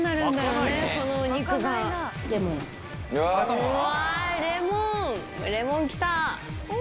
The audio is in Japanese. うわレモンレモン来た。